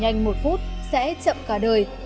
nhanh một phút sẽ chậm cả đời